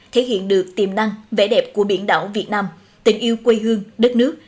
thể hiện được tiềm năng vẻ đẹp của biển đảo việt nam tình yêu quê hương đất nước